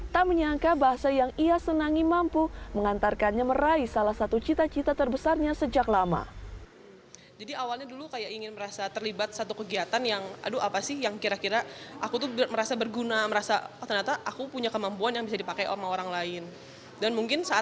tak menyangka bahasa yang ia senangi mampu mengantarkannya meraih salah satu cita cita terbesarnya sejak lama